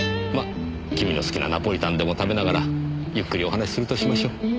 まあ君の好きなナポリタンでも食べながらゆっくりお話しするとしましょう。